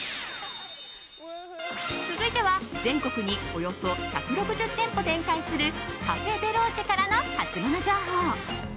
続いては全国におよそ１６０店舗展開するカフェ・ベローチェからのハツモノ情報。